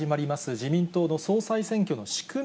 自民党の総裁選挙の仕組み